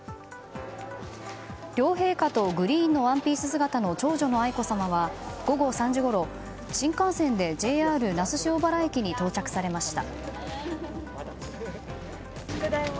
両陛下とグリーンのワンピース姿の長女の愛子さまは午後３時ごろ、新幹線でＪＲ那須塩原駅に到着されました。